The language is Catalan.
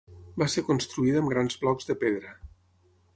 Va ser construïda amb grans blocs de pedra.